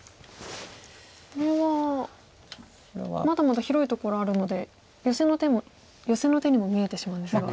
これはまだまだ広いところあるのでヨセの手にも見えてしまうんですが。